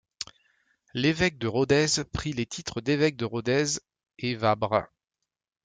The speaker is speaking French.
L'évêque de Rodez prit les titres d'évêque de Rodez et Vabres.